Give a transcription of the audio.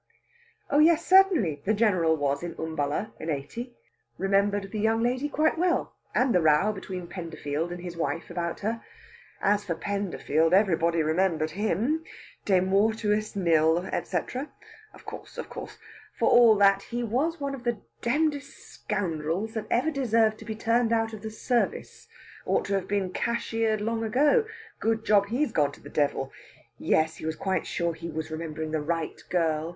Oh yes, certainly; the General was in Umballa in '80; remembered the young lady quite well, and the row between Penderfield and his wife about her. As for Penderfield, everybody remembered him! De mortuis nil, etc. of course, of course. For all that, he was one of the damnedest scoundrels that ever deserved to be turned out of the service. Ought to have been cashiered long ago. Good job he's gone to the devil! Yes, he was quite sure he was remembering the right girl.